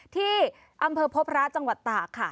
ที่อำเภอพบพระจังหวัดตากค่ะ